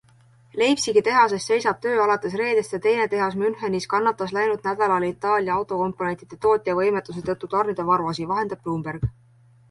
Leipzigi tehases seisab töö alates reedest ja teine tehas Münchenis kannatas läinud nädalal Itaalia autokomponentide tootja võimetuse tõttu tarnida varuosi, vahendab Bloomberg.